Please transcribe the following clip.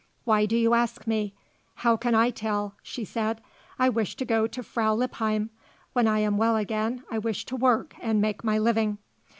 "Why do you ask me? How can I tell?" she said. "I wish to go to Frau Lippheim. When I am well again I wish to work and make my living."